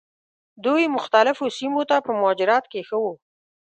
دوی مختلفو سیمو ته په مهاجرت کې ښه وو.